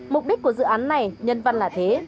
mục đích của dự án này nhân văn là thế